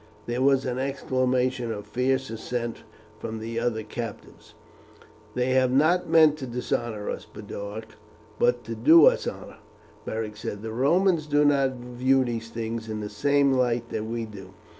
There was an exclamation of fierce assent from the other captives. "They have not meant to dishonour us, Boduoc, but to do us honour," Beric said. "The Romans do not view these things in the same light that we do.